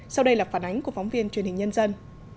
sau đây là phản ánh của phóng viên truyền hình nhân dân